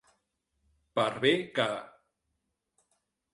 Per bé que.